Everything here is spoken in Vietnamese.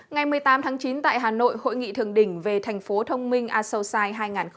ngày một mươi tám tháng chín tại hà nội hội nghị thường đỉnh về thành phố thông minh asosai hai nghìn một mươi tám